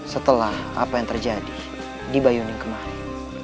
setelah apa yang terjadi di bayuning kemarin